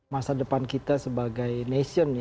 masa depan kita sebagai nation